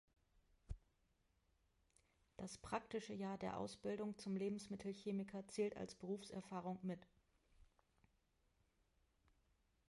Das praktische Jahr der Ausbildung zum Lebensmittelchemiker zählt als Berufserfahrung mit.